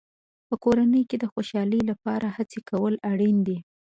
په کورنۍ کې د خوشحالۍ لپاره هڅې کول اړینې دي.